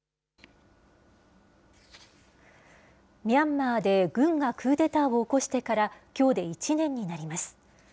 ミャンマーで軍がクーデターを起こしてから、きょうで１年になります。